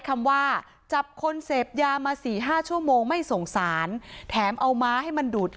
คำว่าจับคนเสพยามาสี่ห้าชั่วโมงไม่สงสารแถมเอาม้าให้มันดูด